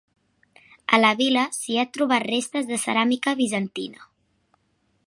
A la vila s'hi ha trobat restes de ceràmica bizantina.